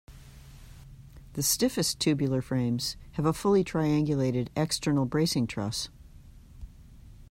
The stiffest tubular frames have a fully triangulated external bracing truss.